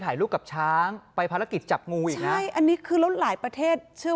ถ่ายรูปกับช้างไปภารกิจจับงูอันนี้คือรถหลายประเทศเชื่อ